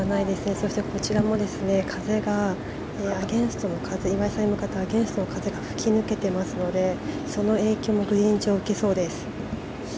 そして、こちらも風が、アゲンストの風岩井さんに向かってアゲンストの風が吹き抜けていますのでその影響もグリーン上受けそうです。